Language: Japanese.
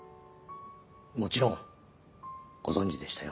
もちろんご存じでしたよ。